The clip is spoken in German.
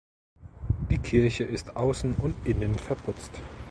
Die Kirche ist außen und innen verputzt.